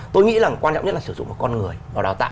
tôi nghĩ là quan trọng nhất là sử dụng một con người vào đào tạo